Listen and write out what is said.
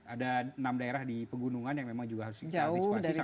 ada enam daerah di pegunungan yang memang juga harus kita antisipasi